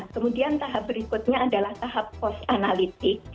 kemudian tahap berikutnya adalah tahap post analitik